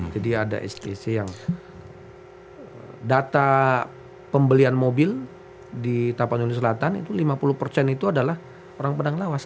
jadi ada spc yang data pembelian mobil di tapan yoni selatan itu lima puluh itu adalah orang padang lawas